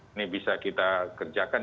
ini bisa kita kerjakan